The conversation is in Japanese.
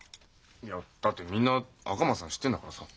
いやだってみんな赤松さん知ってんだからさ。